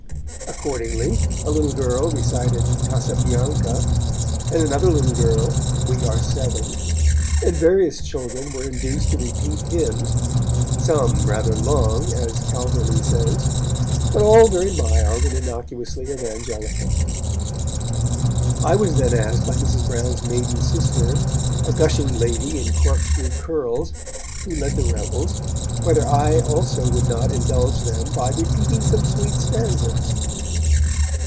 Accordingly a little girl recited 'Casabianca', and another little girl 'We are Seven', and various children were induced to repeat hymns, 'some rather long', as Calverley says, but all very mild and innocuously evangelical. I was then asked by Mrs. Brown's maiden sister, a gushing lady in corkscrew curls, who led the revels, whether I also would not indulge them 'by repeating some sweet stanzas'.